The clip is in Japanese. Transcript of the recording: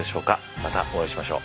またお会いしましょう。